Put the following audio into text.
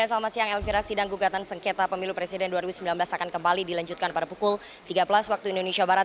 selamat siang elvira sidang gugatan sengketa pemilu presiden dua ribu sembilan belas akan kembali dilanjutkan pada pukul tiga belas waktu indonesia barat